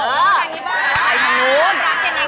อ๋อรักเจนเองค่ะตอนนี้